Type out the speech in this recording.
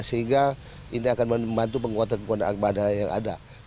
sehingga ini akan membantu penguatan penguatan armada yang ada